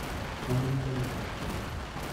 Un redoutable pêcheur.